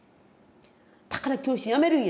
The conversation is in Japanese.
だから教師辞めるんや。